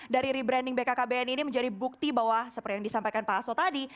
dari rebranding bkkbn ini menjadi bukti bahwa seperti yang disampaikan pak aso tadi